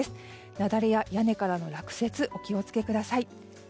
雪崩や屋根からの落雪にお気を付けください。